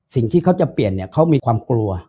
สิ่งที่เขาจะเปลี่ยนเนี่ยเขามีความกลัว